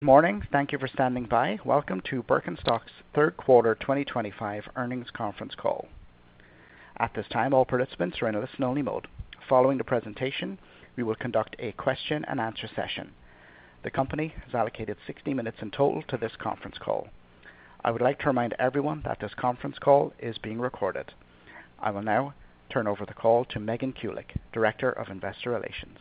Morning. Thank you for standing by. Welcome to BIRKENSTOCK's Third Quarter 2025 Earnings Conference Call. At this time, all participants are in listen-only mode. Following the presentation, we will conduct a Q&A session. The company has allocated 60 minutes in total to this conference call. I would like to remind everyone that this conference call is being recorded. I will now turn over the call to Megan Kulick, Director of Investor Relations.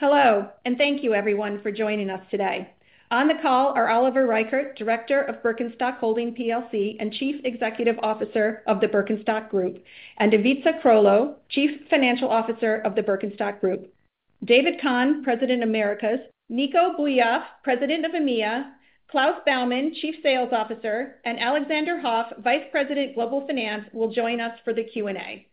Hello, and thank you everyone for joining us today. On the call are Oliver Reichert, Director of Birkenstock Holding plc and Chief Executive Officer of the BIRKENSTOCK Group, and Ivica Krolo, Chief Financial Officer of the BIRKENSTOCK Group. David Kahan, President of Americas, Nico Bouyakhf, President of EMEA, Klaus Baumann, Chief Sales Officer, and Alexander Hoff, Vice President, Global Finance, will join us for the Q&A.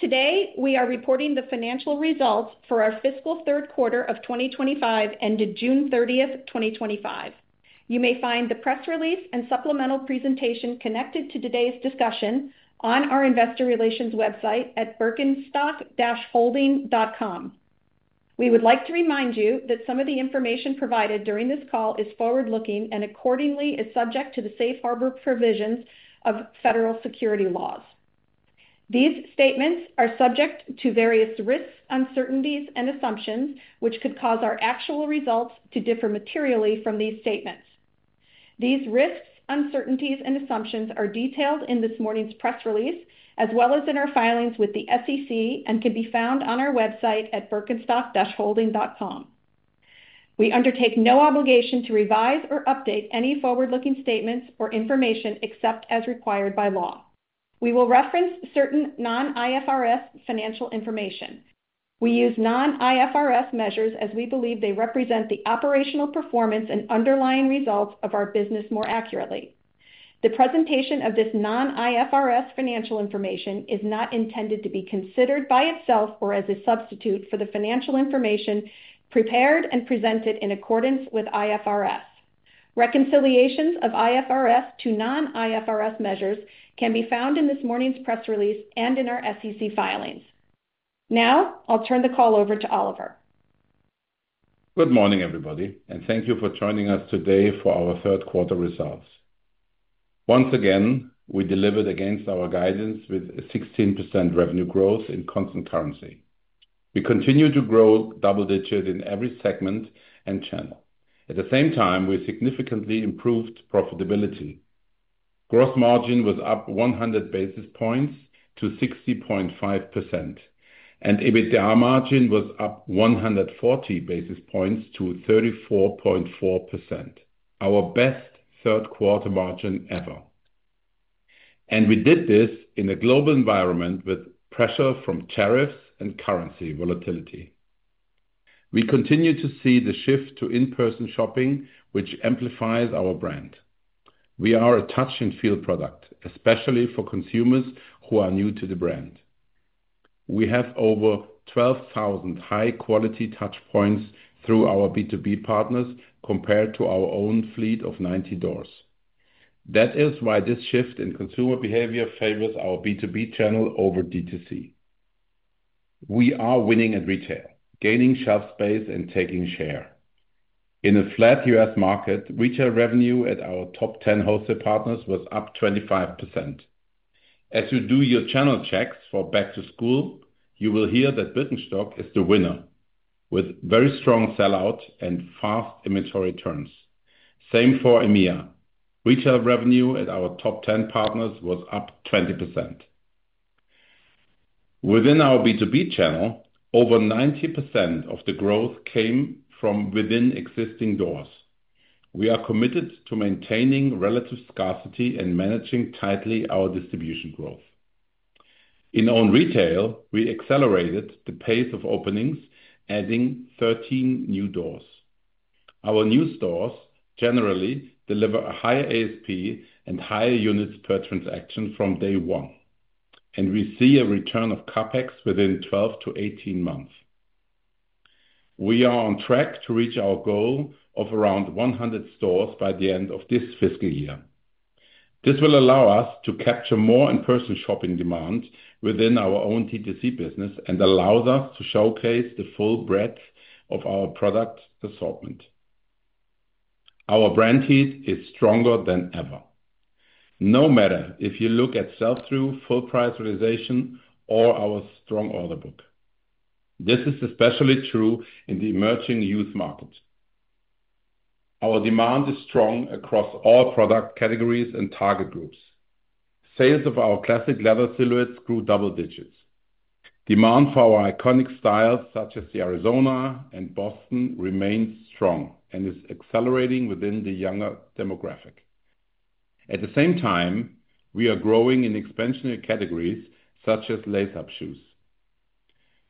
Today, we are reporting the financial results for our fiscal third quarter of 2025 ended June 30th, 2025. You may find the press release and supplemental presentation connected to today's discussion on our investor relations website at birkenstock-holding.com. We would like to remind you that some of the information provided during this call is forward-looking and accordingly is subject to the safe harbor provisions of federal securities laws. These statements are subject to various risks, uncertainties, and assumptions, which could cause our actual results to differ materially from these statements. These risks, uncertainties, and assumptions are detailed in this morning's press release, as well as in our filings with the SEC and can be found on our website at birkenstock-holding.com. We undertake no obligation to revise or update any forward-looking statements or information except as required by law. We will reference certain non-IFRS financial information. We use non-IFRS measures as we believe they represent the operational performance and underlying results of our business more accurately. The presentation of this non-IFRS financial information is not intended to be considered by itself or as a substitute for the financial information prepared and presented in accordance with IFRS. Reconciliations of IFRS to non-IFRS measures can be found in this morning's press release and in our SEC filings. Now, I'll turn the call over to Oliver. Good morning, everybody, and thank you for joining us today for our third quarter results. Once again, we delivered against our guidance with 16% revenue growth in constant currency. We continue to grow double-digit in every segment and channel. At the same time, we significantly improved profitability. Gross margin was up 100 basis points to 60.5%, and EBITDA margin was up 140 basis points to 34.4%. Our best third quarter margin ever. We did this in a global environment with pressure from tariffs and currency volatility. We continue to see the shift to in-person shopping, which amplifies our brand. We are a touch-and-feel product, especially for consumers who are new to the brand. We have over 12,000 high-quality touchpoints through our B2B partners compared to our own fleet of 90 doors. That is why this shift in consumer behavior favors our B2B channel over. We are winning at retail, gaining shelf space and taking share. In a flat U.S. market, retail revenue at our top 10 wholesale partners was up 25%. As you do your channel checks for Back to School, you will hear that BIRKENSTOCK is the winner, with very strong sellout and fast inventory turns. Same for EMEA. Retail revenue at our top 10 partners was up 20%. Within our B2B channel, over 90% of the growth came from within existing doors. We are committed to maintaining relative scarcity and managing tightly our distribution growth. In own retail, we accelerated the pace of openings, adding 13 new doors. Our new stores generally deliver a higher ASP and higher units per transaction from day one. We see a return of CapEx within 12-18 months. We are on track to reach our goal of around 100 stores by the end of this fiscal year. This will allow us to capture more in-person shopping demand within our own D2C business and allows us to showcase the full breadth of our product assortment. Our brand heat is stronger than ever. No matter if you look at sell-through, full price realization, or our strong order book. This is especially true in the emerging youth market. Our demand is strong across all product categories and target groups. Sales of our classic leather silhouettes grew double-digits. Demand for our iconic styles, such as the Arizona and Boston, remains strong and is accelerating within the younger demographic. At the same time, we are growing in expansionary categories such as lace-up shoes.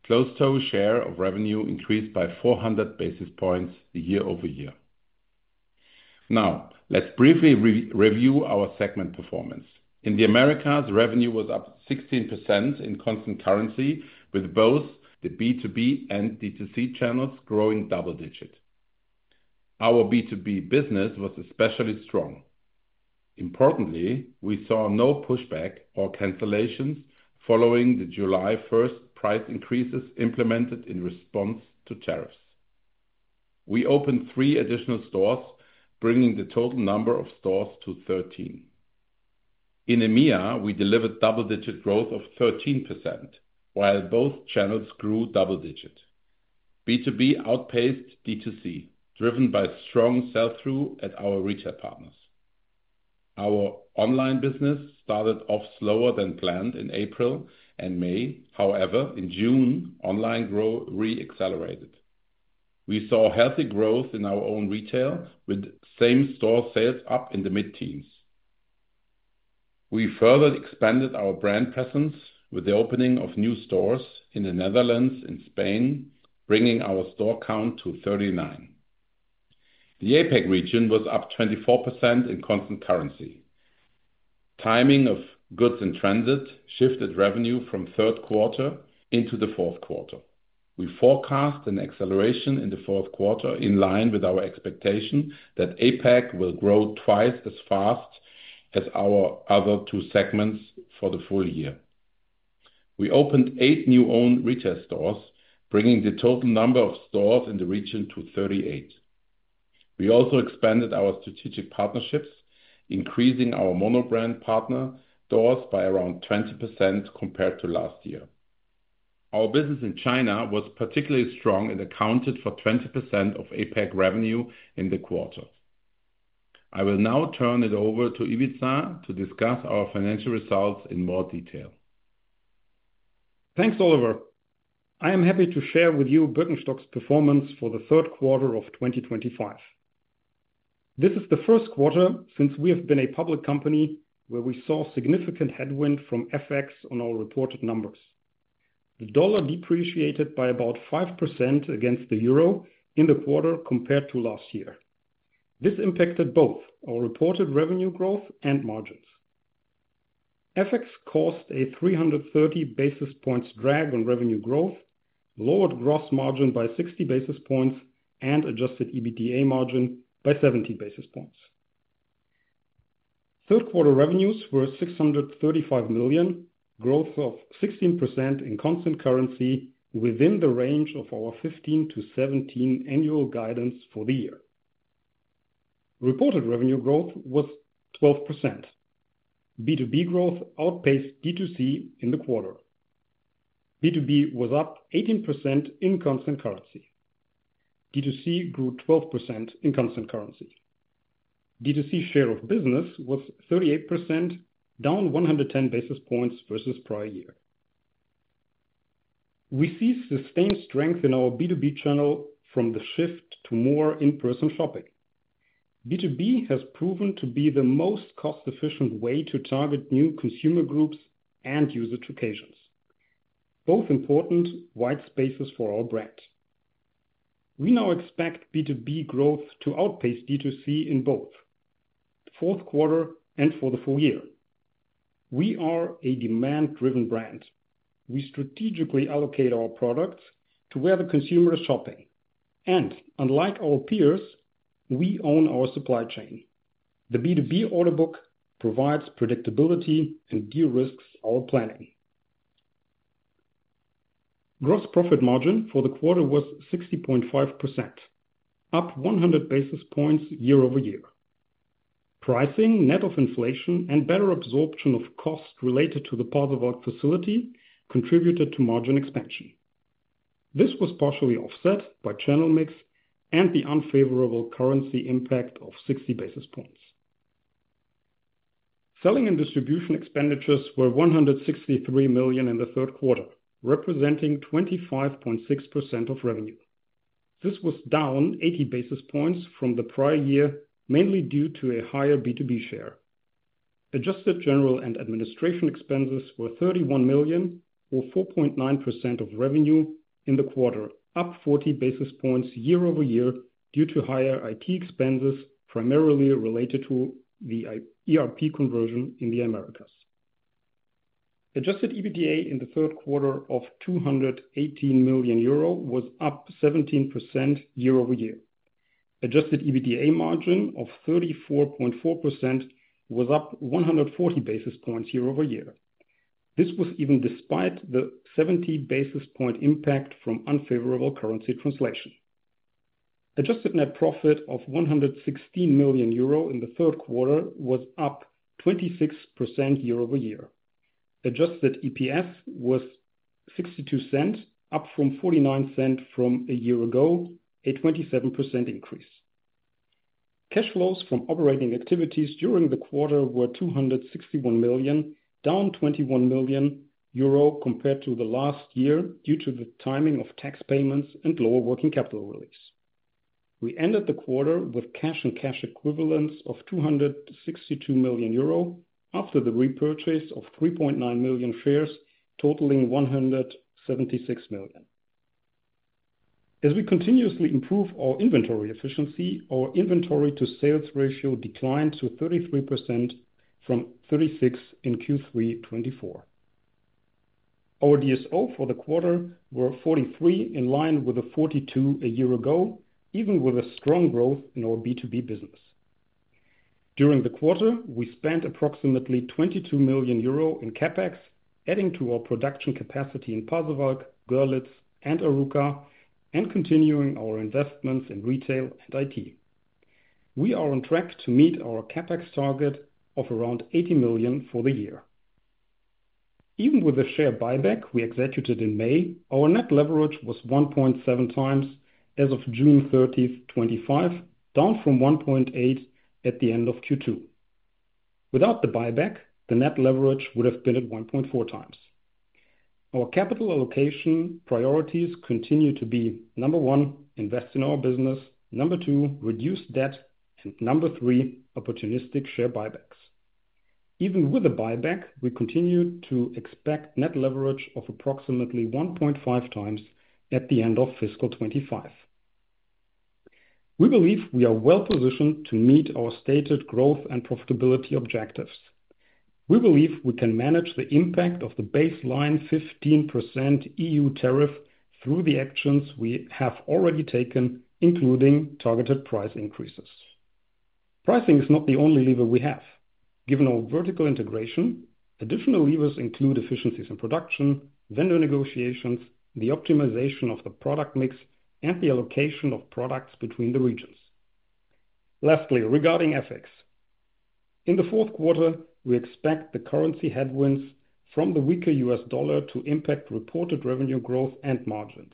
Closed-toe share of revenue increased by 400 basis points year-over-year. Now, let's briefly review our segment performance. In the Americas, revenue was up 16% in constant currency, with both the B2B and D2C channels growing double-digit. Our B2B business was especially strong. Importantly, we saw no pushback or cancellations following the July 1st price increases implemented in response to tariffs. We opened three additional stores, bringing the total number of stores to 13. In EMEA, we delivered double-digit growth of 13%, while both channels grew double-digit. B2B outpaced D2C, driven by strong sell-through at our retail partners. Our online business started off slower than planned in April and May. However, in June, online growth reaccelerated. We saw healthy growth in our own retail, with same-store sales up in the mid-teens. We further expanded our brand presence with the opening of new stores in the Netherlands and Spain, bringing our store count to 39. The APAC region was up 24% in constant currency. Timing of goods in transit shifted revenue from third quarter into the fourth quarter. We forecast an acceleration in the fourth quarter in line with our expectation that APAC will grow twice as fast as our other two segments for the full year. We opened eight new owned retail stores, bringing the total number of stores in the region to 38. We also expanded our strategic partnerships, increasing our monobrand partner stores by around 20% compared to last year. Our business in China was particularly strong and accounted for 20% of APAC revenue in the quarter. I will now turn it over to Ivica to discuss our financial results in more detail. Thanks, Oliver. I am happy to share with you BIRKENSTOCK's performance for the third quarter of 2025. This is the first quarter since we have been a public company where we saw significant headwind from FX on our reported numbers. The dollar depreciated by about 5% against the euro in the quarter compared to last year. This impacted both our reported revenue growth and margins. FX caused a 330 basis points drag on revenue growth, lowered gross margin by 60 basis points, and adjusted EBITDA margin by 70 basis points. Third quarter revenues were 635 million, growth of 16% in constant currency within the range of our 15%-17% annual guidance for the year. Reported revenue growth was 12%. B2B growth outpaced D2C in the quarter. B2B was up 18% in constant currency. D2C grew 12% in constant currency. D2C share of business was 38%, down 110 basis points versus prior year. We see sustained strength in our B2B channel from the shift to more in-person shopping. B2B has proven to be the most cost-efficient way to target new consumer groups and usage occasions, both important white spaces for our brand. We now expect B2B growth to outpace D2C in both fourth quarter and for the full year. We are a demand-driven brand. We strategically allocate our products to where the consumer is shopping. Unlike our peers, we own our supply chain. The B2B order book provides predictability and de-risks our planning. Gross profit margin for the quarter was 60.5%, up 100 basis points year-over-year. Pricing, net of inflation, and better absorption of costs related to the part of our facility contributed to margin expansion. This was partially offset by channel mix and the unfavorable currency impact of 60 basis points. Selling and distribution expenditures were 163 million in the third quarter, representing 25.6% of revenue. This was down 80 basis points from the prior year, mainly due to a higher B2B share. Adjusted general and administration expenses were 31 million, or 4.9% of revenue in the quarter, up 40 basis points year-over-year due to higher IT expenses, primarily related to the ERP conversion in the Americas. Adjusted EBITDA in the third quarter of 218 million euro was up 17% year-over-year. Adjusted EBITDA margin of 34.4% was up 140 basis points year-over-year. This was even despite the 70 basis point impact from unfavorable currency translation. Adjusted net profit of 116 million euro in the third quarter was up 26% year-over-year. Adjusted EPS was 0.62, up from 0.49 from a year ago, a 27% increase. Cash flows from operating activities during the quarter were 261 million, down 21 million euro compared to last year due to the timing of tax payments and lower working capital release. We ended the quarter with cash and cash equivalents of 262 million euro after the repurchase of 3.9 million shares, totaling 176 million. As we continuously improve our inventory efficiency, our inventory-to-sales ratio declined to 33% from 36% in Q3 2024. Our DSO for the quarter were 43 days, in line with 42 days a year ago, even with strong growth in our B2B business. During the quarter, we spent approximately 22 million euro in CapEx, adding to our production capacity in Pasewalk, Görlitz, and Arouca, and continuing our investments in retail and IT. We are on track to meet our CapEx target of around 80 million for the year. Even with a share buyback we executed in May, our net leverage was 1.7x as of June 30, 2025, down from 1.8 at the end of Q2. Without the buyback, the net leverage would have been at 1.4x. Our capital allocation priorities continue to be number one, invest in our business, number two, reduce debt, and number three, opportunistic share buybacks. Even with a buyback, we continue to expect net leverage of approximately 1.5x at the end of fiscal 2025. We believe we are well positioned to meet our stated growth and profitability objectives. We believe we can manage the impact of the baseline 15% E.U. tariff through the actions we have already taken, including targeted price increases. Pricing is not the only lever we have. Given our vertical integration, additional levers include efficiencies in production, vendor negotiations, the optimization of the product mix, and the allocation of products between the regions. Lastly, regarding FX, in the fourth quarter, we expect the currency headwinds from the weaker U.S. dollar to impact reported revenue growth and margins.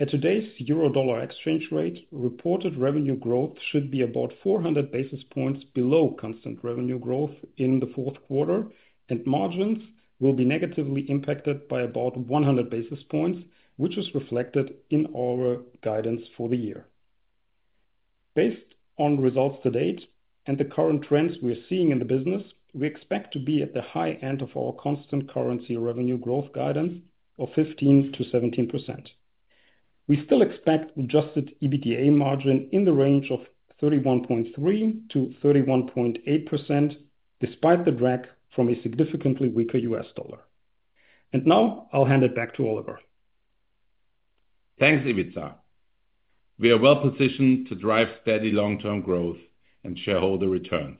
At today's euro-dollar exchange rate, reported revenue growth should be about 400 basis points below constant currency revenue growth in the fourth quarter, and margins will be negatively impacted by about 100 basis points, which is reflected in our guidance for the year. Based on results to date and the current trends we are seeing in the business, we expect to be at the high-end of our constant currency revenue growth guidance of 15%-17%. We still expect adjusted EBITDA margin in the range of 31.3%-31.8%, despite the drag from a significantly weaker U.S. dollar. I'll hand it back to Oliver. Thanks, Ivica. We are well positioned to drive steady long-term growth and shareholder returns.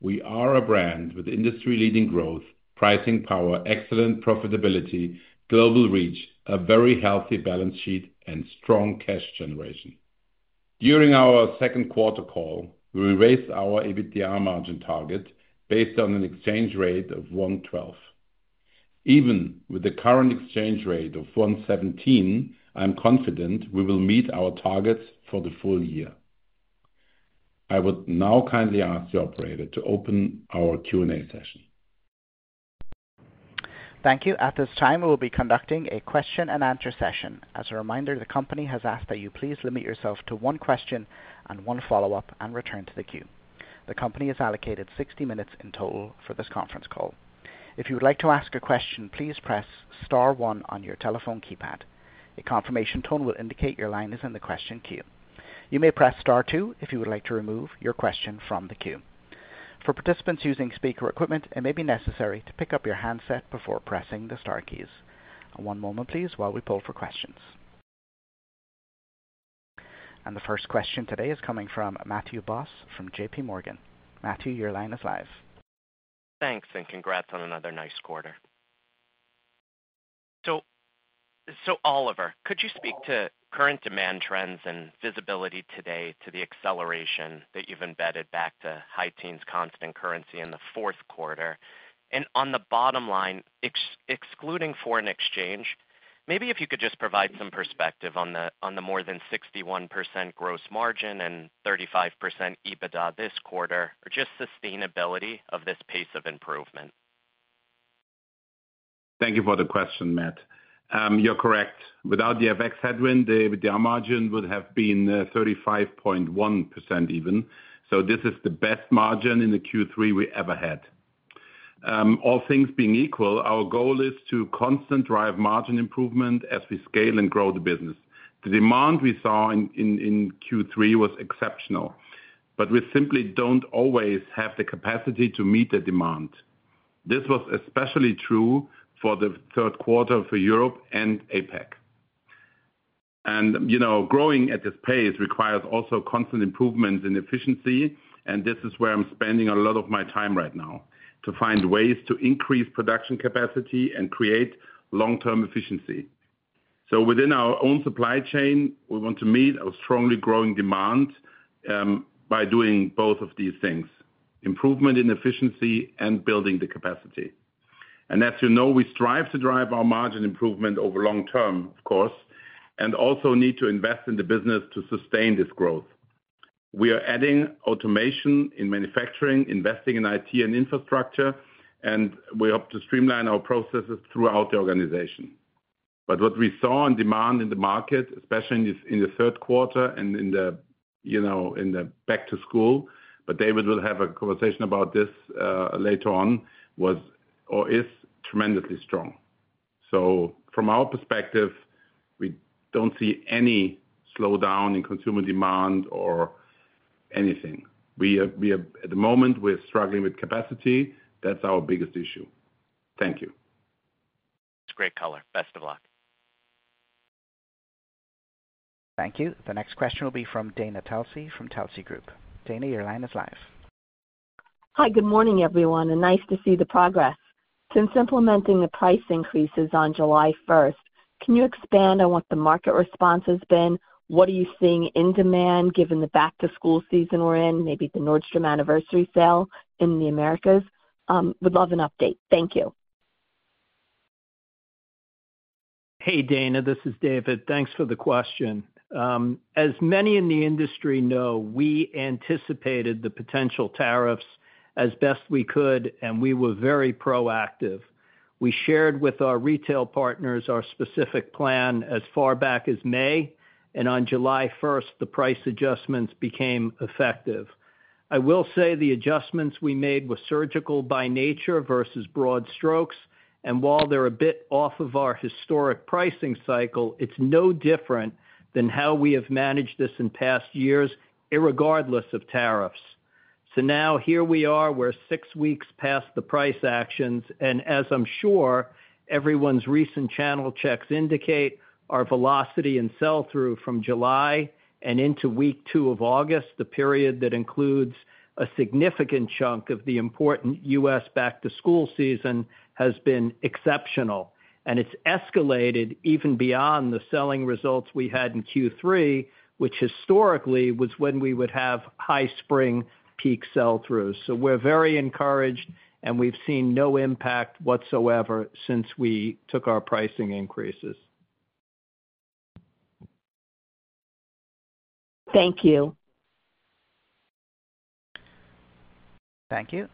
We are a brand with industry-leading growth, pricing power, excellent profitability, global reach, a very healthy balance sheet, and strong cash generation. During our second quarter call, we raised our EBITDA margin target based on an exchange rate of 112%. Even with the current exchange rate of 117%, I'm confident we will meet our targets for the full year. I would now kindly ask the operator to open our Q&A session. Thank you. At this time, we will be conducting a Q&A session. As a reminder, the company has asked that you please limit yourself to one question and one follow-up and return to the queue. The company has allocated 60 minutes in total for this conference call. If you would like to ask a question, please press star one on your telephone keypad. A confirmation tone will indicate your line is in the question queue. You may press star two if you would like to remove your question from the queue. For participants using speaker equipment, it may be necessary to pick up your handset before pressing the star keys. One moment, please, while we pull for questions. The first question today is coming from Matthew Boss from JPMorgan. Matthew, your line is live. Thanks, and congrats on another nice quarter. Oliver, could you speak to current demand trends and visibility today to the acceleration that you've embedded back to high-teens constant currency in the fourth quarter? On the bottom line, excluding foreign exchange, maybe if you could just provide some perspective on the more than 61% gross margin and 35% EBITDA this quarter, or just sustainability of this pace of improvement. Thank you for the question, Matt. You're correct. Without the FX headwind, the EBITDA margin would have been 35.1% even. This is the best margin in Q3 we ever had. All things being equal, our goal is to constantly drive margin improvement as we scale and grow the business. The demand we saw in Q3 was exceptional. We simply don't always have the capacity to meet the demand. This was especially true for the third quarter for Europe and APAC. Growing at this pace requires also constant improvements in efficiency, and this is where I'm spending a lot of my time right now, to find ways to increase production capacity and create long-term efficiency. Within our own supply chain, we want to meet our strongly growing demand by doing both of these things: improvement in efficiency and building the capacity. As you know, we strive to drive our margin improvement over long-term, of course, and also need to invest in the business to sustain this growth. We are adding automation in manufacturing, investing in IT and infrastructure, and we hope to streamline our processes throughout the organization. What we saw in demand in the market, especially in the third quarter and in the Back to School, but David will have a conversation about this later on, was or is tremendously strong. From our perspective, we don't see any slowdown in consumer demand or anything. At the moment, we're struggling with capacity. That's our biggest issue. Thank you. It's a great color. Best of luck. Thank you. The next question will be from Dana Telsey from Telsey Group. Dana, your line is live. Hi, good morning everyone, and nice to see the progress. Since implementing the price increases on July 1st, can you expand on what the market response has been? What are you seeing in demand given the Back-to-School season we're in, maybe the Nordstrom Anniversary Sale in the Americas? We'd love an update. Thank you. Hey Dana, this is David. Thanks for the question. As many in the industry know, we anticipated the potential tariffs as best we could, and we were very proactive. We shared with our retail partners our specific plan as far back as May, and on July 1st, the price adjustments became effective. I will say the adjustments we made were surgical by nature versus broad strokes, and while they're a bit off of our historic pricing cycle, it's no different than how we have managed this in past years, regardless of tariffs. Now here we are, we're six weeks past the price actions, and as I'm sure everyone's recent channel checks indicate, our velocity and sell-through from July and into week two of August, the period that includes a significant chunk of the important U.S. Back-to-School season, has been exceptional. It's escalated even beyond the selling results we had in Q3, which historically was when we would have high spring, peak sell-throughs. We're very encouraged, and we've seen no impact whatsoever since we took our pricing increases. Thank you. Thank you.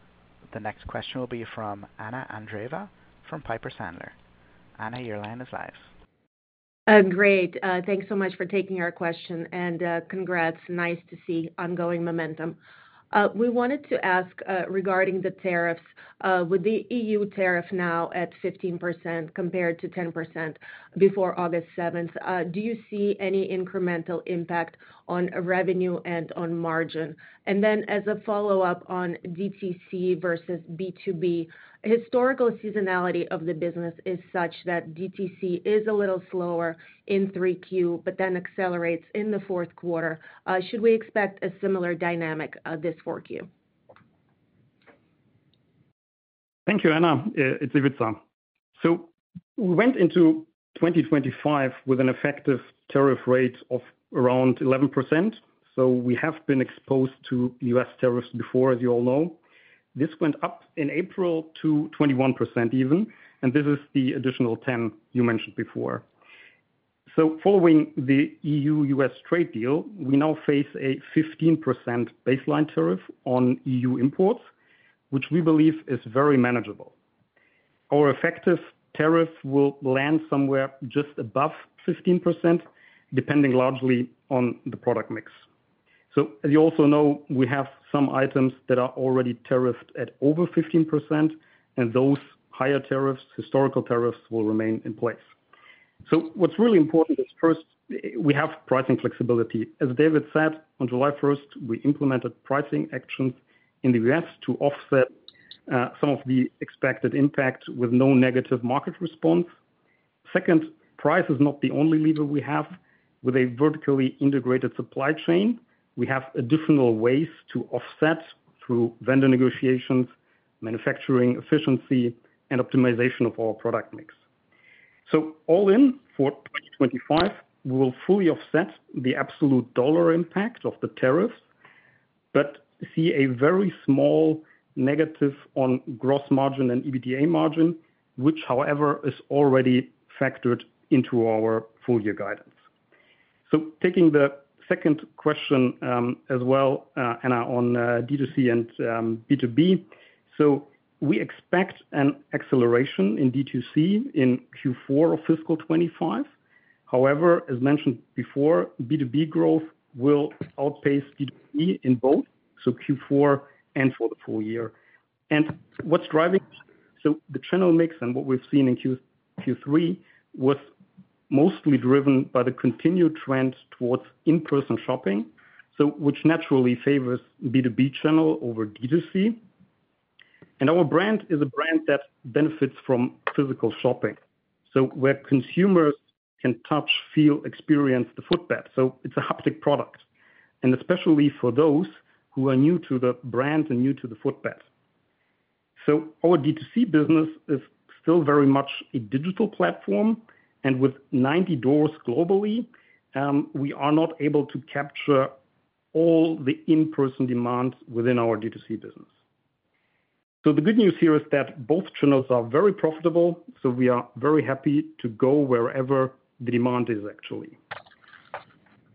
The next question will be from Anna Andreeva from Piper Sandler. Anna, your line is live. Great. Thanks so much for taking our question, and congrats. Nice to see ongoing momentum. We wanted to ask regarding the tariffs. With the E.U. tariff now at 15% compared to 10% before August 7th, do you see any incremental impact on revenue and on margin? As a follow-up on DTC versus B2B, historical seasonality of the business is such that DTC is a little slower in 3Q, but then accelerates in the fourth quarter. Should we expect a similar dynamic this 4Q? Thank you, Anna. It's Ivica. We went into 2025 with an effective tariff rate of around 11%. We have been exposed to U.S. tariffs before, as you all know. This went up in April to 21%, and this is the additional 10% you mentioned before. Following the E.U.-U.S. trade deal, we now face a 15% baseline tariff on E.U. imports, which we believe is very manageable. Our effective tariff will land somewhere just above 15%, depending largely on the product mix. As you also know, we have some items that are already tariffed at over 15%, and those higher tariffs, historical tariffs, will remain in place. What's really important is, first, we have pricing flexibility. As David said, on July 1st, we implemented pricing actions in the U.S. to offset some of the expected impact with no negative market response. Second, price is not the only lever we have. With a vertically integrated supply chain, we have additional ways to offset through vendor negotiations, manufacturing efficiency, and optimization of our product mix. All in for 2025, we will fully offset the absolute dollar impact of the tariffs, but see a very small negative on gross margin and EBITDA margin, which, however, is already factored into our full-year guidance. Taking the second question as well, Anna, on D2C and B2B. We expect an acceleration in D2C in Q4 of fiscal 2025. However, as mentioned before, B2B growth will outpace D2C in both Q4 and for the full year. What's driving us is the channel mix, and what we've seen in Q3 was mostly driven by the continued trend towards in-person shopping, which naturally favors the B2B channel over D2C. Our brand is a brand that benefits from physical shopping, where consumers can touch, feel, experience the footbed. It's a haptic product, especially for those who are new to the brand and new to the footbed. Our D2C business is still very much a digital platform, and with 90 doors globally, we are not able to capture all the in-person demand within our D2C business. The good news here is that both channels are very profitable, so we are very happy to go wherever the demand is.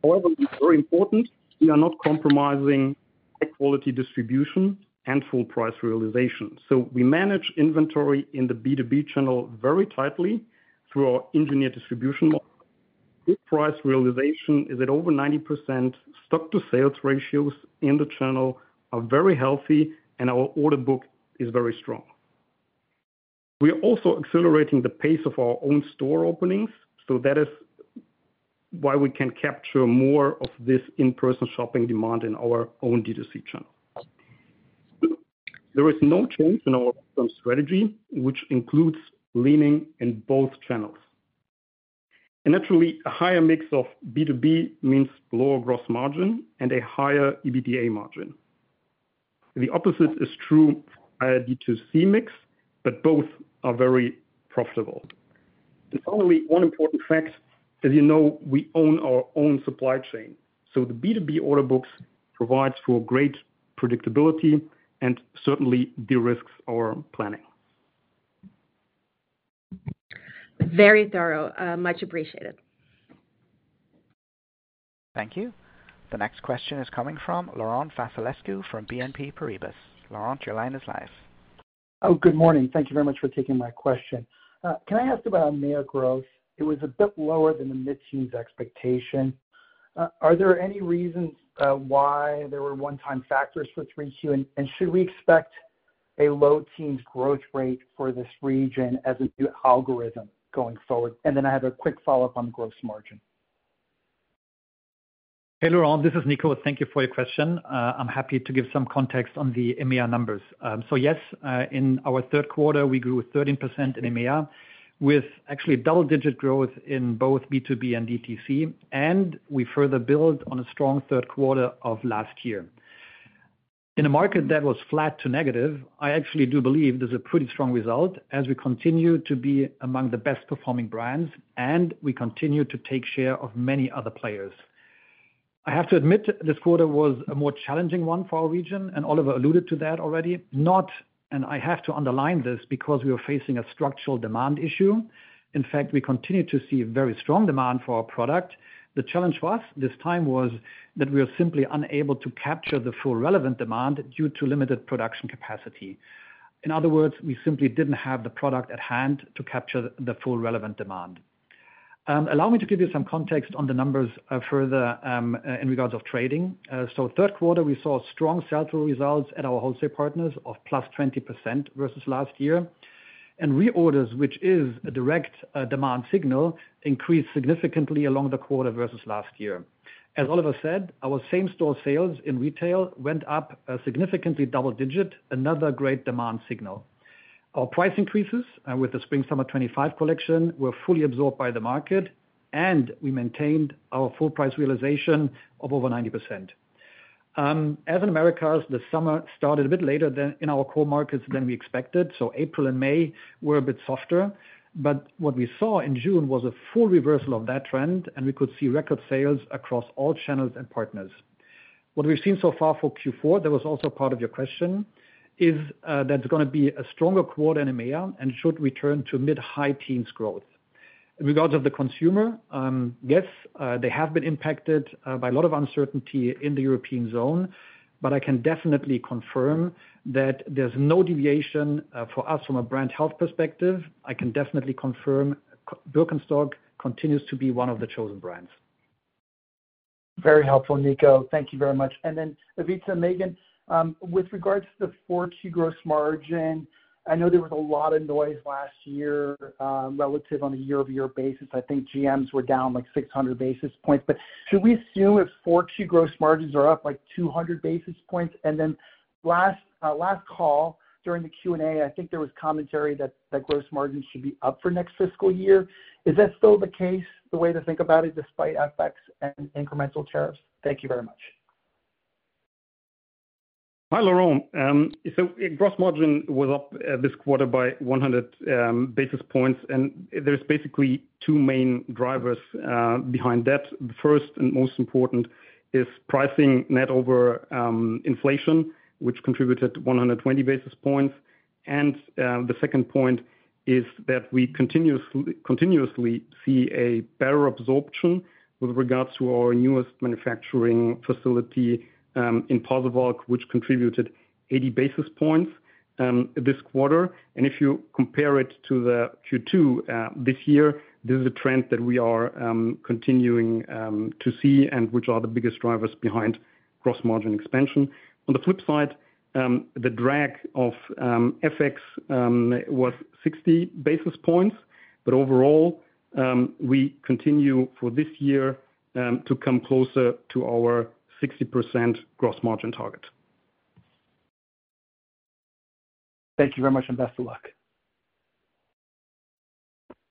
However, it's very important we are not compromising high-quality distribution and full price realization. We manage inventory in the B2B channel very tightly through our engineered distribution model. Price realization is at over 90%. Stock-to-sales ratios in the channel are very healthy, and our order book is very strong. We are also accelerating the pace of our own store openings, which is why we can capture more of this in-person shopping demand in our own D2C channel. There is no change in our current strategy, which includes leaning in both channels. Naturally, a higher mix of B2B means lower gross margin and a higher EBITDA margin. The opposite is true in our D2C mix, but both are very profitable. One important fact, as you know, is that we own our own supply chain. The B2B order books provide for great predictability and certainly de-risk our planning. Very thorough. Much appreciated. Thank you. The next question is coming from Laurent Vasilescu from BNP Paribas. Laurent, your line is live. Good morning. Thank you very much for taking my question. Can I ask about EMEA gross? It was a bit lower than the mid-teens expectation. Are there any reasons why there were one-time factors for 3Q, and should we expect a low-teens growth rate for this region as a new algorithm going forward? I have a quick follow-up on the gross margin. Hey Laurent, this is Nico. Thank you for your question. I'm happy to give some context on the EMEA numbers. Yes, in our third quarter, we grew 13% in EMEA, with actually double-digit growth in both B2B and DTC, and we further built on a strong third quarter of last year. In a market that was flat to negative, I actually do believe this is a pretty strong result as we continue to be among the best-performing brands, and we continue to take share of many other players. I have to admit this quarter was a more challenging one for our region, and Oliver alluded to that already. Not, and I have to underline this because we are facing a structural demand issue. In fact, we continue to see very strong demand for our product. The challenge this time was that we were simply unable to capture the full relevant demand due to limited production capacity. In other words, we simply didn't have the product at hand to capture the full relevant demand. Allow me to give you some context on the numbers further in regards to trading. Third quarter, we saw strong sell-through results at our wholesale partners of +20% versus last year. Reorders, which is a direct demand signal, increased significantly along the quarter versus last year. As Oliver said, our same-store sales in retail went up significantly double-digit, another great demand signal. Our price increases with the spring-summer 2025 collection were fully absorbed by the market, and we maintained our full price realization of over 90%. As in Americas, the summer started a bit later than in our core markets than we expected, so April and May were a bit softer. What we saw in June was a full reversal of that trend, and we could see record sales across all channels and partners. What we've seen so far for Q4, that was also part of your question, is that it's going to be a stronger quarter in EMEA and should return to mid-high teens growth. In regards to the consumer, yes, they have been impacted by a lot of uncertainty in the European zone, but I can definitely confirm that there's no deviation for us from a brand health perspective. I can definitely confirm BIRKENSTOCK continues to be one of the chosen brands. Very helpful, Nico. Thank you very much. Ivica and Megan, with regards to the 4Q gross margin, I know there was a lot of noise last year relative on a year-over-year basis. I think GMs were down like 600 basis points. Should we assume if 4Q gross margins are up like 200 basis points? Last call during the Q&A, I think there was commentary that gross margins should be up for next fiscal year. Is that still the case, the way to think about it despite FX and incremental tariffs? Thank you very much. Hi, Laurent. Gross margin was up this quarter by 100 basis points, and there's basically two main drivers behind that. The first and most important is pricing net over inflation, which contributed 120 basis points. The second point is that we continuously see a better absorption with regards to our newest manufacturing facility in Pasewalk, which contributed 80 basis points this quarter. If you compare it to Q2 this year, this is a trend that we are continuing to see and which are the biggest drivers behind gross margin expansion. On the flip side, the drag of FX was 60 basis points, but overall, we continue for this year to come closer to our 60% gross margin target. Thank you very much, and best of luck.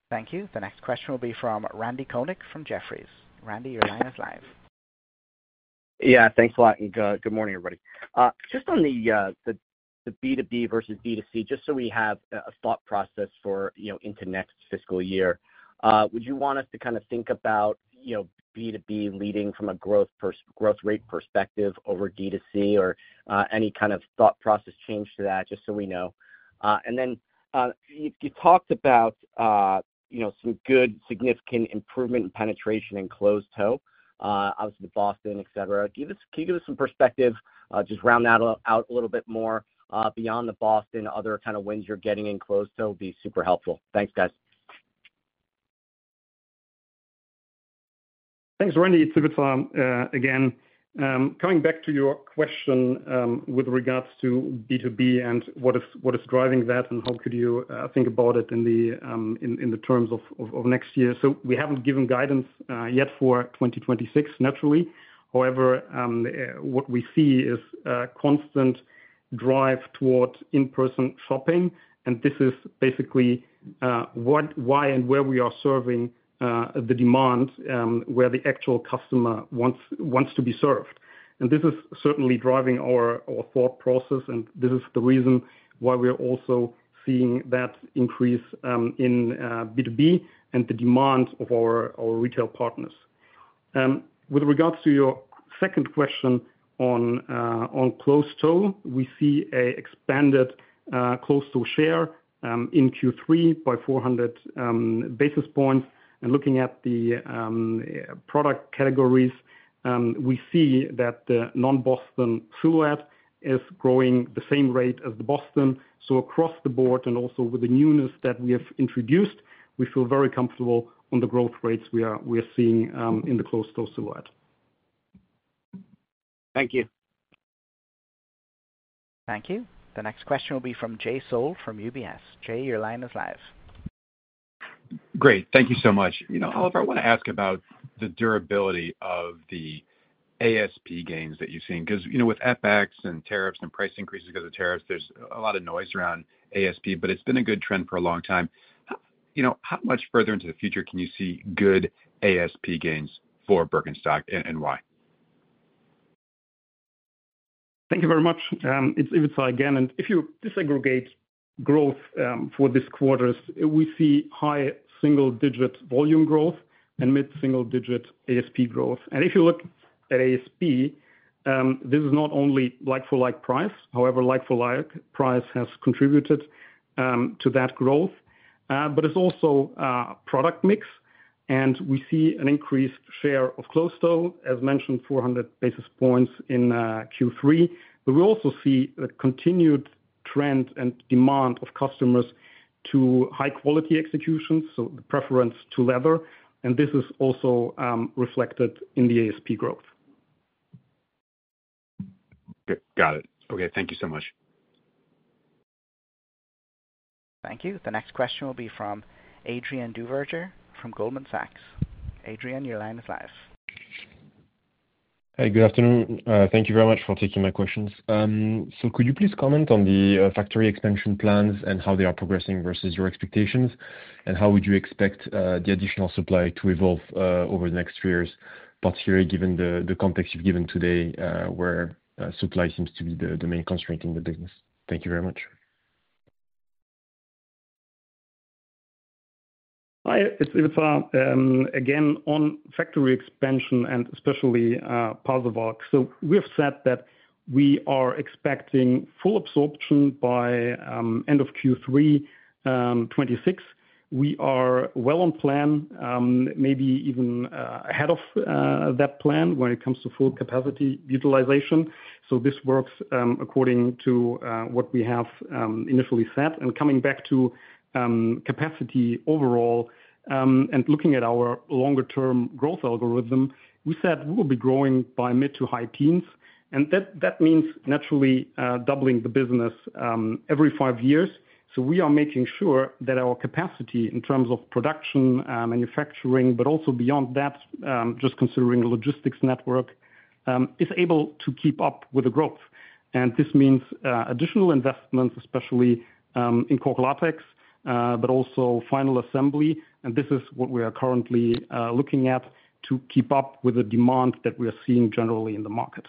Thank you. The next question will be from Randy Konik from Jefferies. Randy, your line is live. Yeah, thanks a lot, Nico. Good morning, everybody. Just on the B2B versus B2C, just so we have a thought process for, you know, into next fiscal year, would you want us to kind of think about, you know, B2B leading from a growth rate perspective over D2C or any kind of thought process change to that, just so we know? You talked about, you know, some good significant improvement in penetration in closed-toe. Obviously, the Boston, etc. Can you give us some perspective? Just round that out a little bit more beyond the Boston, other kind of wins you're getting in closed-toe would be super helpful. Thanks, guys. Thanks, Randy. It's a good time. Again, coming back to your question with regards to B2B and what is driving that and how could you think about it in the terms of next year. We haven't given guidance yet for 2026, naturally. However, what we see is a constant drive toward in-person shopping. This is basically why and where we are serving the demand, where the actual customer wants to be served. This is certainly driving our thought process. This is the reason why we are also seeing that increase in B2B and the demand of our retail partners. With regards to your second question on closed toe, we see an expanded closed-toe share in Q3 by 400 basis points. Looking at the product categories, we see that the non-Boston silhouette is growing at the same rate as the Boston. Across the board and also with the newness that we have introduced, we feel very comfortable on the growth rates we are seeing in the closed-toe silhouette. Thank you. Thank you. The next question will be from Jay Sole from UBS. Jay, your line is live. Great. Thank you so much. Oliver, I want to ask about the durability of the ASP gains that you've seen. With FX and tariffs and price increases because of tariffs, there's a lot of noise around ASP, but it's been a good trend for a long time. How much further into the future can you see good ASP gains for BIRKENSTOCK and why? Thank you very much. It's Ivica again. If you disaggregate growth for this quarter, we see high-single-digit volume growth and mid-single-digit ASP growth. If you look at ASP, this is not only like-for-like price. However, like-for-like price has contributed to that growth. It is also product mix. We see an increased share of closed-toe, as mentioned, 400 basis points in Q3. We also see a continued trend and demand of customers to high-quality executions, so the preference to leather. This is also reflected in the ASP growth. Got it. Okay, thank you so much. Thank you. The next question will be from Adrien Duverger from Goldman Sachs. Adrien, your line is live. Good afternoon. Thank you very much for taking my questions. Could you please comment on the factory expansion plans and how they are progressing versus your expectations? How would you expect the additional supply to evolve over the next three years, particularly given the context you've given today, where supply seems to be the main constraint in the business? Thank you very much. Hi, it's Ivica again on factory expansion and especially Pasewalk. We have said that we are expecting full absorption by end of Q3 2026. We are well on plan, maybe even ahead of that plan when it comes to full capacity utilization. This works according to what we have initially set. Coming back to capacity overall and looking at our longer-term growth algorithm, we said we will be growing by mid-to-high teens. That means naturally doubling the business every five years. We are making sure that our capacity in terms of production, manufacturing, but also beyond that, just considering the logistics network, is able to keep up with the growth. This means additional investments, especially in core CapEx, but also final assembly. This is what we are currently looking at to keep up with the demand that we are seeing generally in the market.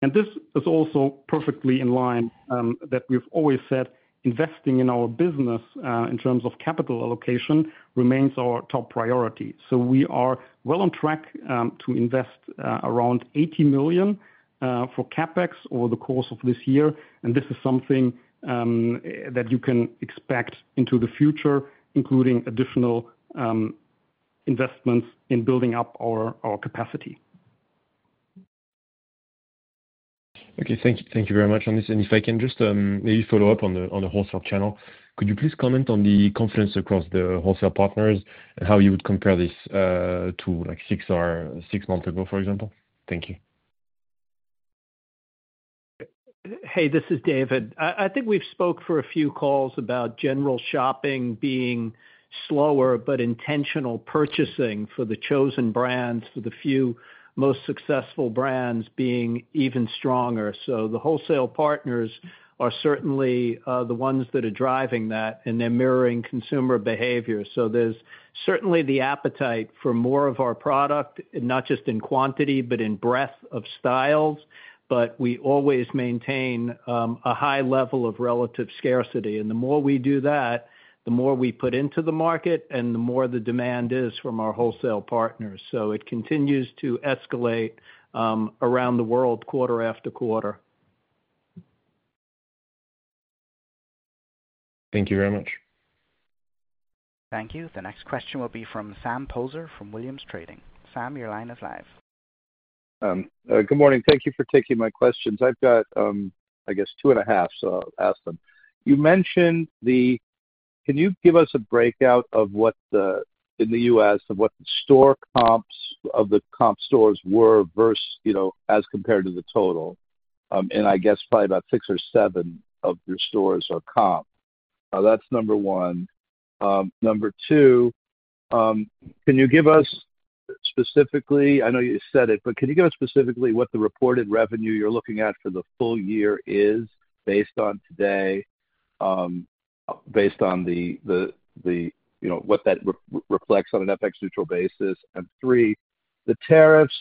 This is also perfectly in line with what we've always said: investing in our business in terms of capital allocation remains our top priority. We are well on track to invest around 80 million for CapEx over the course of this year. This is something that you can expect into the future, including additional investments in building up our capacity. Okay, thank you very much on this. If I can just maybe follow up on the wholesale channel, could you please comment on the confidence across the wholesale partners and how you would compare this to like six months ago, for example? Thank you. Hey, this is David. I think we've spoke for a few calls about general shopping being slower, but intentional purchasing for the chosen brands, for the few most successful brands being even stronger. The wholesale partners are certainly the ones that are driving that, and they're mirroring consumer behavior. There's certainly the appetite for more of our product, not just in quantity, but in breadth of styles. We always maintain a high level of relative scarcity. The more we do that, the more we put into the market, and the more the demand is from our wholesale partners. It continues to escalate around the world quarter after quarter. Thank you very much. Thank you. The next question will be from Sam Poser from Williams Trading. Sam, your line is live. Good morning. Thank you for taking my questions. I've got, I guess, two and a half, so I'll ask them. You mentioned the, can you give us a breakout of what the, in the U.S., of what the store comps of the comp stores were versus, you know, as compared to the total? I guess probably about six or seven of your stores are comp. Now that's number one. Number two, can you give us specifically, I know you said it, but can you give us specifically what the reported revenue you're looking at for the full year is based on today, based on the, you know, what that reflects on an FX neutral basis? Three, the tariffs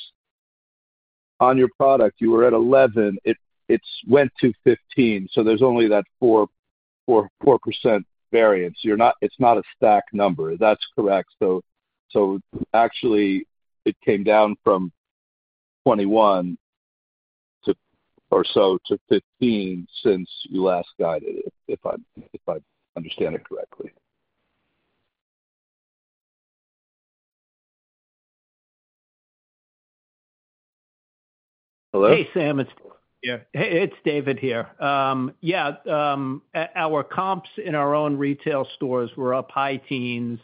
on your product, you were at 11%, it went to 15%. There's only that 4% variance. It's not a stack number. That's correct. Actually, it came down from 21% or so to 15% since you last guided, if I understand it correctly. Hello? Hey, Sam. It's David here. Our comps in our own retail stores were up high teens.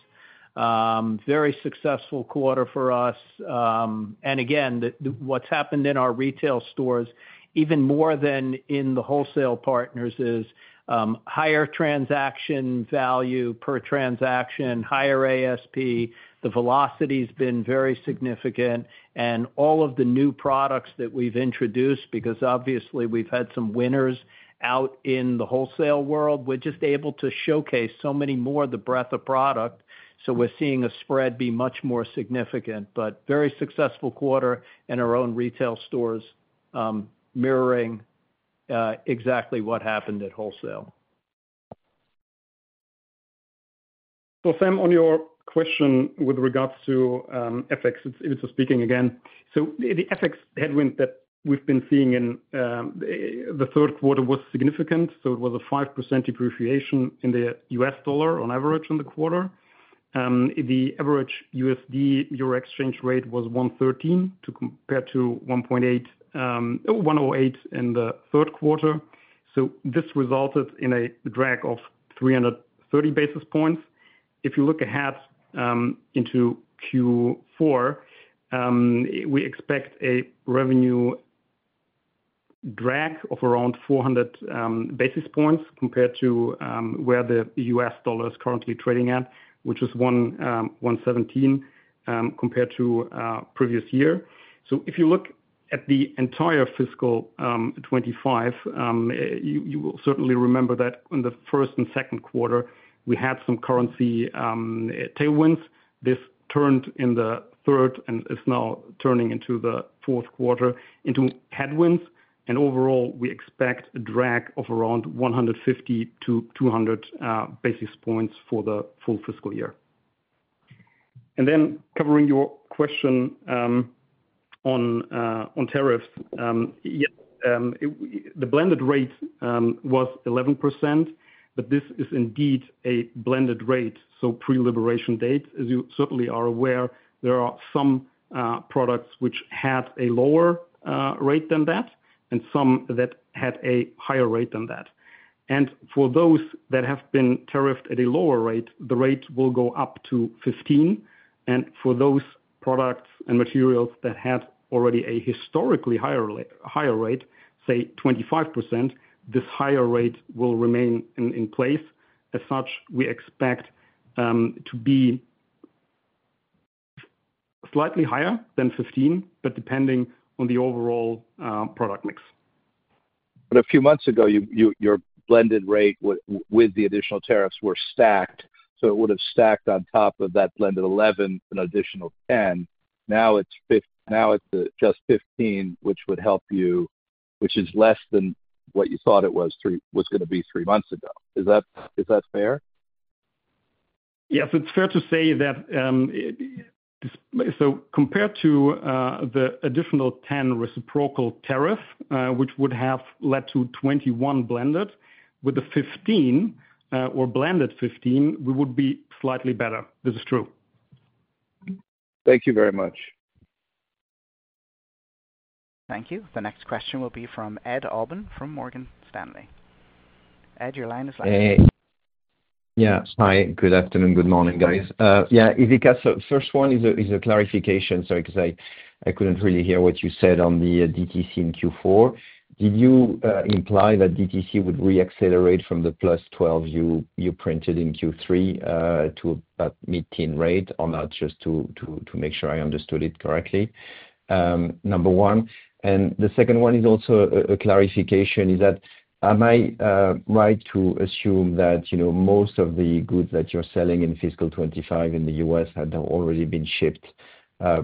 Very successful quarter for us. What's happened in our retail stores, even more than in the wholesale partners, is higher transaction value per transaction, higher ASP. The velocity has been very significant. All of the new products that we've introduced, because obviously we've had some winners out in the wholesale world, we're just able to showcase so many more of the breadth of product. We're seeing a spread be much more significant. Very successful quarter in our own retail stores, mirroring exactly what happened at wholesale. Sam, on your question with regards to FX, it's Ivica speaking again. The FX headwind that we've been seeing in the third quarter was significant. It was a 5% depreciation in the U.S. dollar on average in the quarter. The average USD/EUR exchange rate was 1.13 compared to 1.08 in the third quarter. This resulted in a drag of 330 basis points. If you look ahead into Q4, we expect a revenue drag of around 400 basis points compared to where the U.S. dollar is currently trading at, which is 1.17 compared to the previous year. If you look at the entire fiscal 2025, you will certainly remember that in the first and second quarter, we had some currency tailwinds. This turned in the third and is now turning into the fourth quarter into headwinds. Overall, we expect a drag of around 150-200 basis points for the full fiscal year. Covering your question on tariffs, the blended rate was 11%, but this is indeed a blended rate. Pre-liberation date, as you certainly are aware, there are some products which had a lower rate than that and some that had a higher rate than that. For those that have been tariffed at a lower rate, the rate will go up to 15%. For those products and materials that had already a historically higher rate, say 25%, this higher rate will remain in place. As such, we expect to be slightly higher than 15%, but depending on the overall product mix. A few months ago, your blended rate with the additional tariffs were stacked. It would have stacked on top of that blended 11%, an additional 10%. Now it's just 15%, which would help you, which is less than what you thought it was going to be three months ago. Is that fair? Yes, it's fair to say that. Compared to the additional 10% reciprocal tariff, which would have led to 21% blended, with the 15% or blended 15%, we would be slightly better. This is true. Thank you very much. Thank you. The next question will be from Ed Aubin from Morgan Stanley. Ed, your line is live. Yeah, hi, good afternoon, good morning, guys. Ivica, first one is a clarification. I couldn't really hear what you said on the DTC in Q4. Did you imply that DTC would re-accelerate from the +12% you printed in Q3 to a mid-teen rate or not, just to make sure I understood it correctly? Number one. The second one is also a clarification. Am I right to assume that most of the goods that you're selling in fiscal 2025 in the U.S. had already been shipped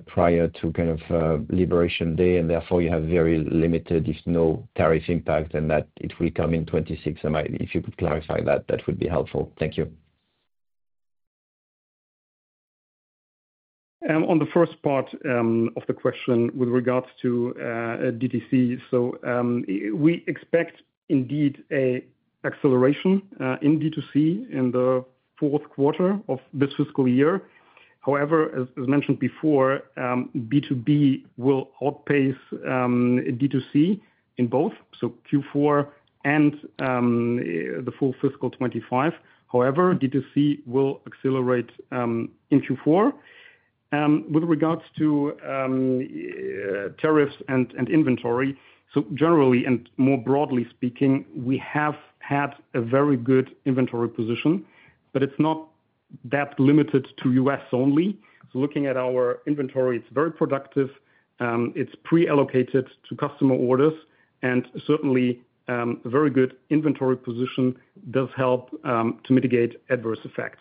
prior to kind of liberation day, and therefore you have very limited, if no, tariff impact, and that it will come in 2026? If you could clarify that, that would be helpful. Thank you. On the first part of the question with regards to D2C, we expect indeed an acceleration in D2C in the fourth quarter of this fiscal year. However, as mentioned before, B2B will outpace D2C in both Q4 and the full fiscal 2025. However, D2C will accelerate in Q4. With regards to tariffs and inventory, generally and more broadly speaking, we have had a very good inventory position, but it's not limited to the U.S. only. Looking at our inventory, it's very productive. It's pre-allocated to customer orders, and certainly a very good inventory position does help to mitigate adverse effects.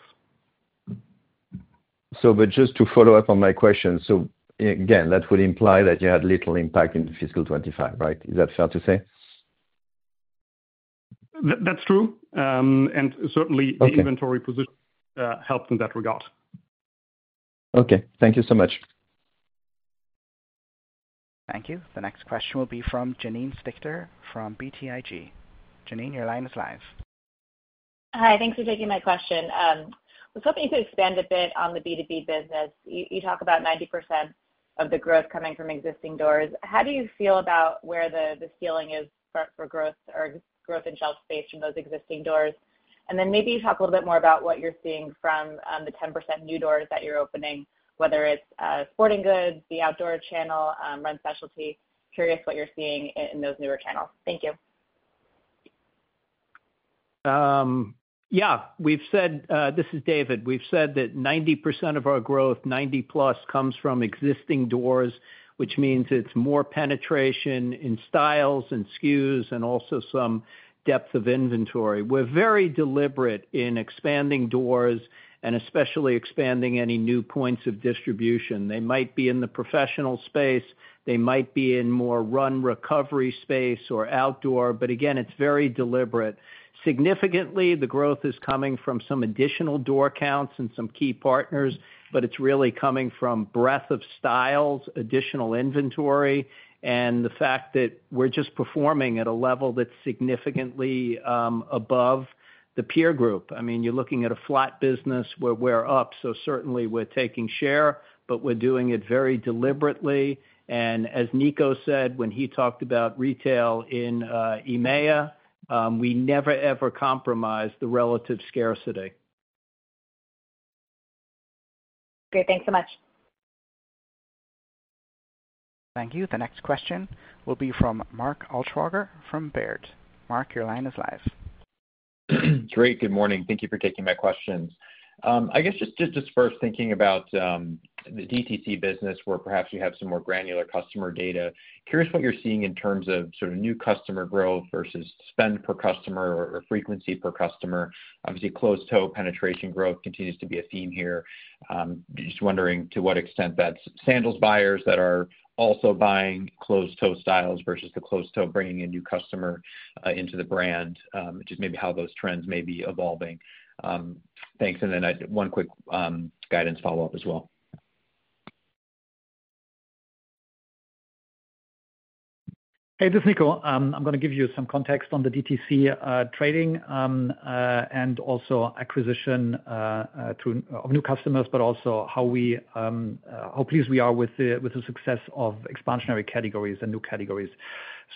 Just to follow up on my question, that would imply that you had little impact in fiscal 2025, right? Is that fair to say? That's true. The inventory position certainly helped in that regard. Okay, thank you so much. Thank you. The next question will be from Janine Stichter from BTIG. Janine, your line is live. Hi, thanks for taking my question. I was hoping you could expand a bit on the B2B business. You talk about 90% of the growth coming from existing doors. How do you feel about where the ceiling is for growth or growth in shelf space from those existing doors? Maybe you talk a little bit more about what you're seeing from the 10% new doors that you're opening, whether it's sporting goods, the outdoor channel, run specialty. Curious what you're seeing in those newer channels. Thank you. Yeah, we've said, this is David. We've said that 90% of our growth, 90+, comes from existing doors, which means it's more penetration in styles and SKUs and also some depth of inventory. We're very deliberate in expanding doors and especially expanding any new points of distribution. They might be in the professional space. They might be in more run recovery space or outdoor. It is very deliberate. Significantly, the growth is coming from some additional door counts and some key partners, but it's really coming from breadth of styles, additional inventory, and the fact that we're just performing at a level that's significantly above the peer group. I mean, you're looking at a flat business where we're up. Certainly we're taking share, but we're doing it very deliberately. As Nico said, when he talked about retail in EMEA, we never ever compromise the relative scarcity. Okay, thanks so much. Thank you. The next question will be from Mark Altschwager from Baird. Mark, your line is live. Great, good morning. Thank you for taking my questions. I guess just first thinking about the DTC business where perhaps you have some more granular customer data. Curious what you're seeing in terms of sort of new customer growth versus spend per customer or frequency per customer. Obviously, closed-toe penetration growth continues to be a theme here. Just wondering to what extent that's sandals buyers that are also buying closed-toe styles versus the closed-toe bringing a new customer into the brand, which is maybe how those trends may be evolving. Thanks. One quick guidance follow-up as well. Hey, this is Nico. I'm going to give you some context on the DTC trading and also acquisition of new customers, but also how pleased we are with the success of expansionary categories and new categories.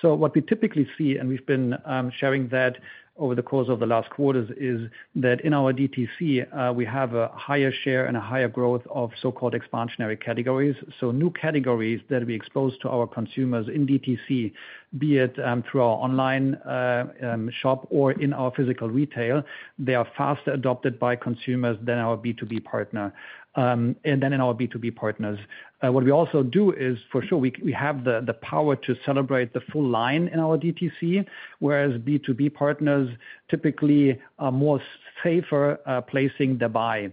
What we typically see, and we've been sharing that over the course of the last quarters, is that in our DTC, we have a higher share and a higher growth of so-called expansionary categories. New categories that we expose to our consumers in DTC, be it through our online shop or in our physical retail, are faster adopted by consumers than our B2B partners. In our B2B partners, we also have the power to celebrate the full line in our DTC, whereas B2B partners typically are more safer placing the buy.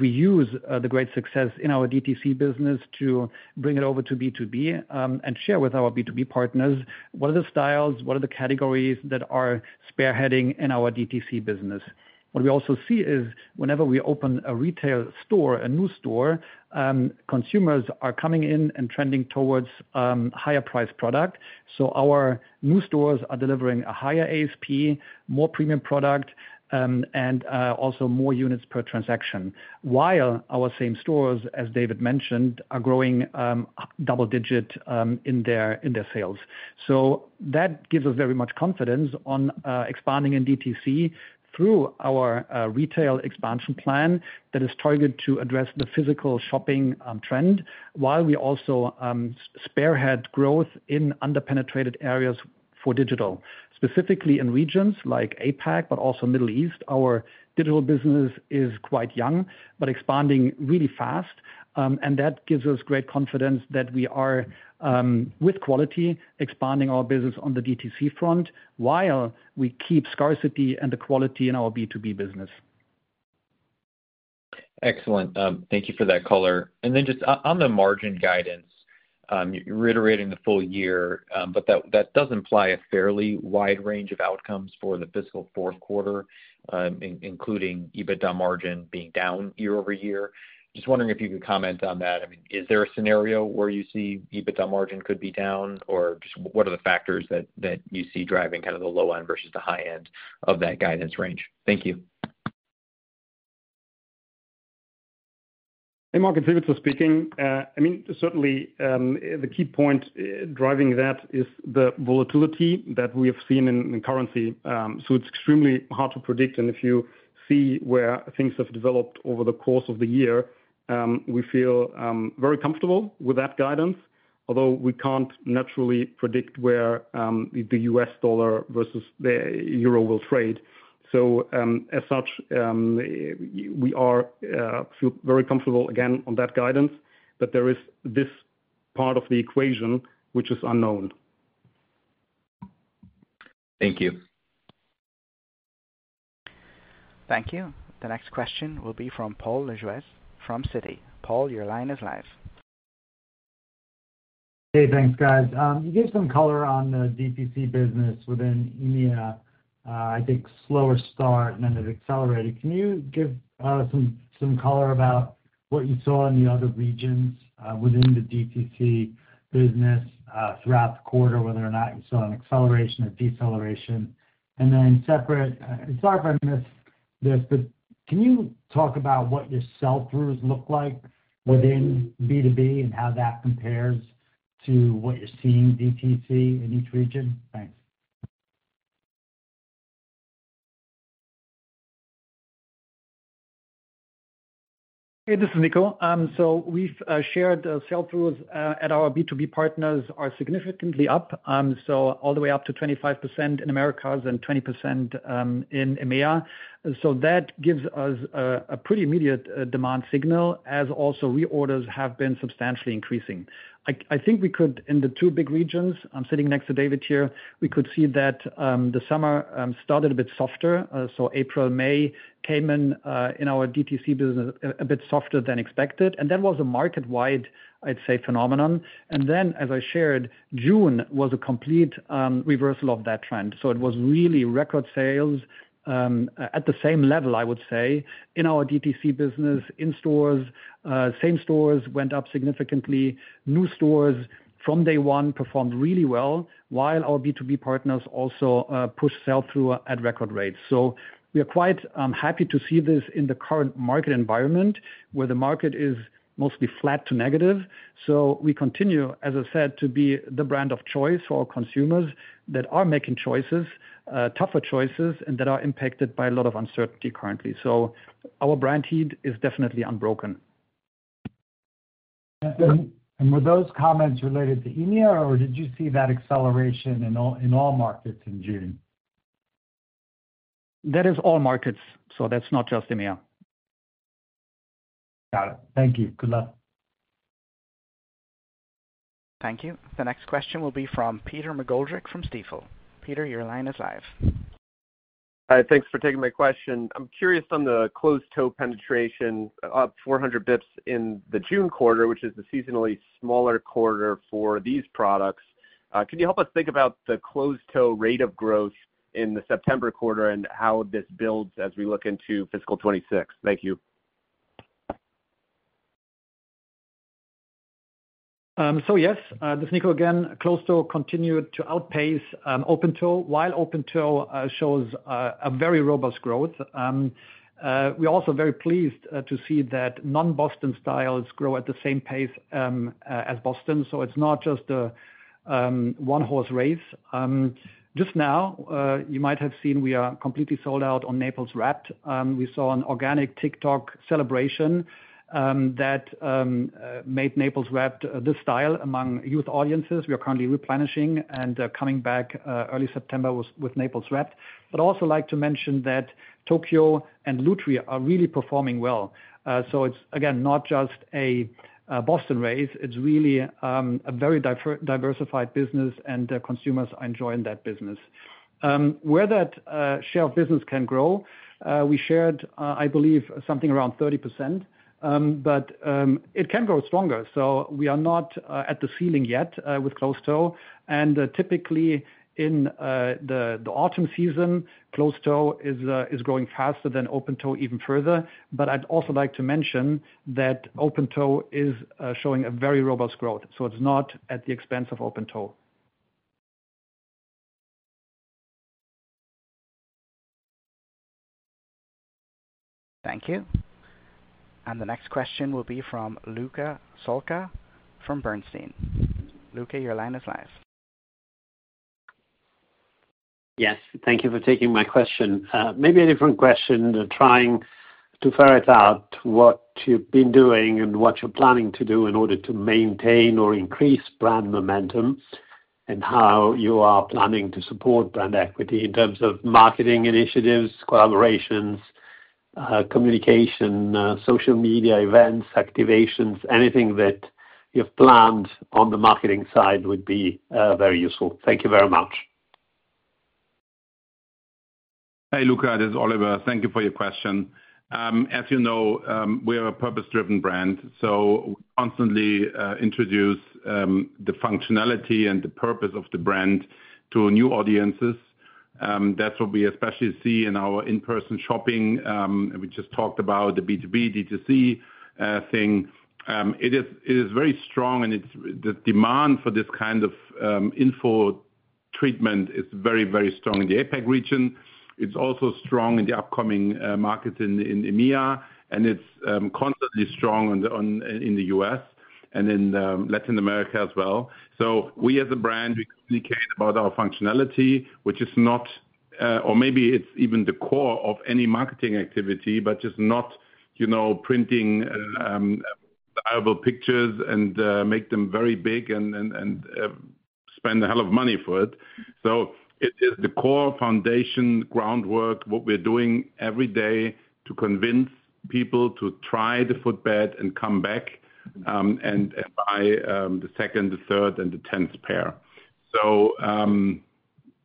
We use the great success in our DTC business to bring it over to B2B and share with our B2B partners what are the styles, what are the categories that are spearheading in our DTC business. What we also see is whenever we open a retail store, a new store, consumers are coming in and trending towards a higher price product. Our new stores are delivering a higher ASP, more premium product, and also more units per transaction. While our same stores, as David mentioned, are growing double-digit in their sales. That gives us very much confidence on expanding in DTC through our retail expansion plan that is targeted to address the physical shopping trend, while we also spearhead growth in underpenetrated areas for digital. Specifically in regions like APAC, but also Middle East, our digital business is quite young, but expanding really fast. That gives us great confidence that we are with quality expanding our business on the DTC front, while we keep scarcity and the quality in our B2B business. Excellent. Thank you for that caller. On the margin guidance, you're reiterating the full year, but that does imply a fairly wide range of outcomes for the fiscal fourth quarter, including EBITDA margin being down year over year. Just wondering if you could comment on that. Is there a scenario where you see EBITDA margin could be down, or what are the factors that you see driving the low end versus the high end of that guidance range? Thank you. Hey, Mark it's Ivica speaking. Certainly the key point driving that is the volatility that we have seen in currency. It's extremely hard to predict. If you see where things have developed over the course of the year, we feel very comfortable with that guidance, although we can't naturally predict where the U.S. dollar versus the euro will trade. As such, we are very comfortable again on that guidance. There is this part of the equation which is unknown. Thank you. Thank you. The next question will be from Paul Lejuez from Citi. Paul, your line is live. Hey, thanks guys. You gave some color on the DTC business within EMEA. I think slower start and then it accelerated. Can you give some color about what you saw in the other regions within the DTC business throughout the quarter, whether or not you saw an acceleration or deceleration? Also, I'm sorry if I missed this, but can you talk about what your sell-throughs look like within B2B and how that compares to what you're seeing DTC in each region? Thanks. Hey, this is Nico. We've shared sell-throughs at our B2B partners are significantly up, all the way up to 25% in Americas and 20% in EMEA. That gives us a pretty immediate demand signal, as also reorders have been substantially increasing. I think we could, in the two big regions, I'm sitting next to David here, we could see that the summer started a bit softer. April, May came in in our DTC business a bit softer than expected. That was a market-wide, I'd say, phenomenon. As I shared, June was a complete reversal of that trend. It was really record sales at the same level, I would say, in our DTC business in stores. Same stores went up significantly. New stores from day one performed really well, while our B2B partners also pushed sell-through at record rates. We are quite happy to see this in the current market environment where the market is mostly flat to negative. We continue, as I said, to be the brand of choice for our consumers that are making choices, tougher choices, and that are impacted by a lot of uncertainty currently. Our brand heat is definitely unbroken. Were those comments related to EMEA, or did you see that acceleration in all markets in June? That is all markets. That's not just EMEA. Got it. Thank you. Good luck. Thank you. The next question will be from Peter McGoldrick from Stifel. Peter, your line is live. Hi, thanks for taking my question. I'm curious on the closed-toe penetration up 400 bps in the June quarter, which is the seasonally smaller quarter for these products. Could you help us think about the closed-toe rate of growth in the September quarter and how this builds as we look into fiscal 2026? Thank you. Yes, this is Nico again. Closed-toe continued to outpace open-toe, while open-toe shows very robust growth. We are also very pleased to see that non-Boston styles grow at the same pace as Boston. It's not just a one-horse race. You might have seen we are completely sold out on Naples Wrapped. We saw an organic TikTok celebration that made Naples Wrapped this style among youth audiences. We are currently replenishing and coming back early September with Naples Wrapped. I'd also like to mention that Tokio and Lutry are really performing well. It's, again, not just a Boston race. It's really a very diversified business and consumers are enjoying that business. Where that share of business can grow, we shared, I believe, something around 30%. It can grow stronger. We are not at the ceiling yet with closed-toe. Typically, in the autumn season, closed-toe is growing faster than open-toe even further. I'd also like to mention that open-toe is showing very robust growth. It's not at the expense of open-toe. Thank you. The next question will be from Luca Solca from Bernstein. Luca, your line is live. Yes, thank you for taking my question. Maybe a different question, trying to ferret out what you've been doing and what you're planning to do in order to maintain or increase brand momentum and how you are planning to support brand equity in terms of marketing initiatives, collaborations, communication, social media, events, activations, anything that you've planned on the marketing side would be very useful. Thank you very much. Hey Luca, this is Oliver. Thank you for your question. As you know, we are a purpose-driven brand. We constantly introduce the functionality and the purpose of the brand to new audiences. That's what we especially see in our in-person shopping. We just talked about the B2B, D2C thing. It is very strong and the demand for this kind of info treatment is very, very strong in the APAC region. It's also strong in the upcoming markets in EMEA and it's constantly strong in the U.S. and in Latin America as well. We as a brand, we communicate about our functionality, which is not, or maybe it's even the core of any marketing activity, but just not, you know, printing the pictures and make them very big and spend a hell of money for it. It is the core foundation groundwork, what we're doing every day to convince people to try the footbed and come back and buy the second, the third, and the 10th pair.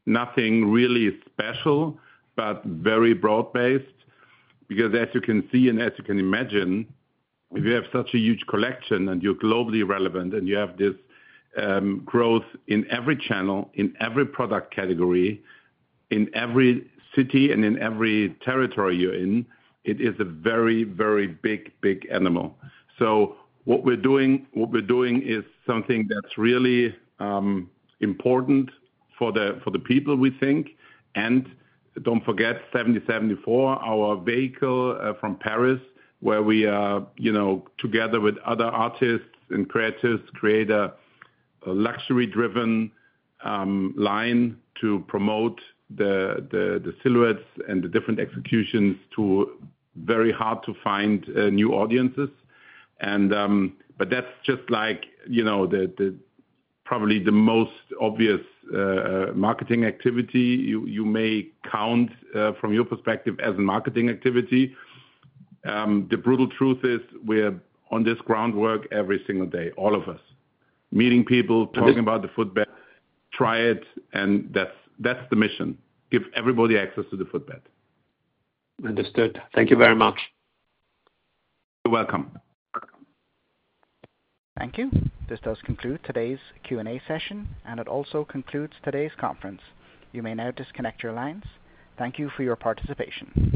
Nothing really special, but very broad-based because as you can see and as you can imagine, if you have such a huge collection and you're globally relevant and you have this growth in every channel, in every product category, in every city and in every territory you're in, it is a very, very big, big animal. What we're doing is something that's really important for the people, we think. Don't forget 1774, our vehicle from Paris, where we are, you know, together with other artists and creatives create a luxury-driven line to promote the silhouettes and the different executions to very hard-to-find new audiences. That's just like, you know, probably the most obvious marketing activity you may count from your perspective as a marketing activity. The brutal truth is we're on this groundwork every single day, all of us. Meeting people, talking about the footbed, try it, and that's the mission. Give everybody access to the footbed. Understood. Thank you very much. You're welcome. Thank you. This does conclude today's Q&A session, and it also concludes today's conference. You may now disconnect your lines. Thank you for your participation.